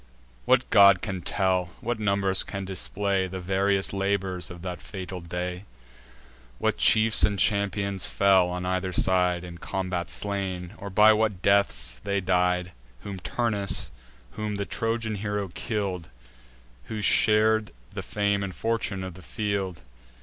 What god can tell, what numbers can display, The various labours of that fatal day; What chiefs and champions fell on either side, In combat slain, or by what deaths they died; Whom Turnus, whom the Trojan hero kill'd; Who shar'd the fame and fortune of the field!